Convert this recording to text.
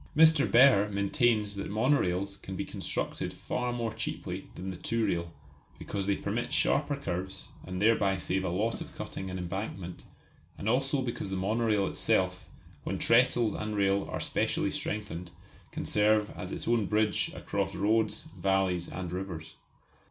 Mr. Behr maintains that monorails can be constructed far more cheaply than the two rail, because they permit sharper curves, and thereby save a lot of cutting and embankment; and also because the monorail itself, when trestles and rail are specially strengthened, can serve as its own bridge across roads, valleys and rivers.